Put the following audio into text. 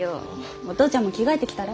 お父ちゃんも着替えてきたら？